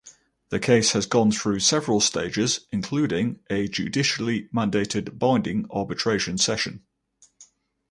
The case has gone through several stages, including a judicially mandated binding arbitration session.